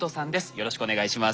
よろしくお願いします。